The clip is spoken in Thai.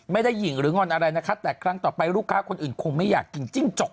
ไม่ได้หญิงหรืองอนอะไรนะคะแต่ครั้งต่อไปลูกค้าคนอื่นคงไม่อยากกินจิ้งจก